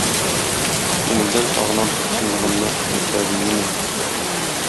Күңелдән сагынам "тоткынлыгымны" - мәктәбемне мин